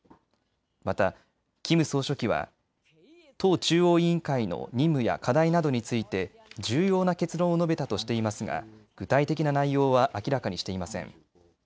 またキム総書記は党中央委員会の任務や課題などについて重要な結論を述べたとしていますが具体的な内容は明らかにしていません。